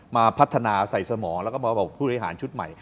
มาพัฒนาใส่สมองแล้วก็มาบอกผู้บริหารชุดใหม่